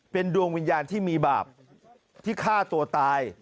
เป็นดวงวิญญาณที่มีบาปที่ฆ่าตัวตาย